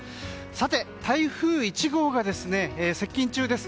さて、台風１号が接近中です。